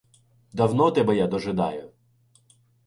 Давно тебе я дожидаю